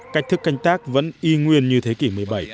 cách thức canh tác vẫn y nguyên như thế kỷ một mươi bảy